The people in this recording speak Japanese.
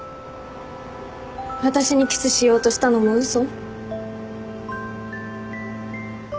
私にキスしようとしたのも嘘？